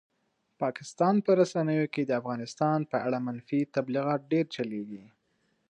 پاکستان په رسنیو کې د افغانستان په اړه منفي تبلیغات ډېر چلېږي.